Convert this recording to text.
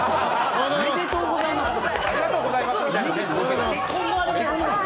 ありがとうございます！